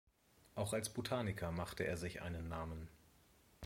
Auch als Botaniker machte er sich einen Namen.